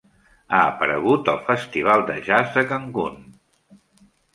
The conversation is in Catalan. Ha aparegut al Festival de jazz de Cancun.